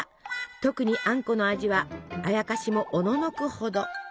特にあんこの味はあやかしもおののくほど。